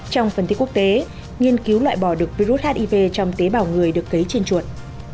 trong phần tiết quốc tế nghiên cứu loại bỏ được virus hiv trong tế bào người được cấy trên chuột